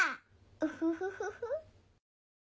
ウフフフフ。